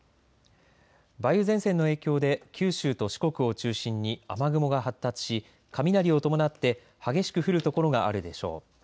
梅雨前線の影響で九州と四国を中心に雨雲が発達し雷を伴って激しく降る所があるでしょう。